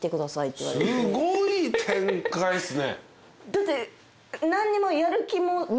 だって何にもやる気も。